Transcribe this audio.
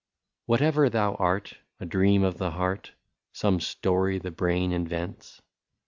Whatever thou art, a dream of the heart, Some story the brain invents.